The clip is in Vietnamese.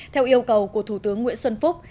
theo yêu cầu của thủ tướng nguyễn xuân phúc